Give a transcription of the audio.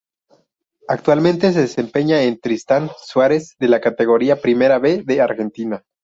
Actualmente se desempeña en Tristán Suárez de la Categoría Primera B de Argentina.